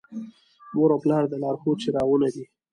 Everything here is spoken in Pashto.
مور او پلار د لارښود څراغونه دي.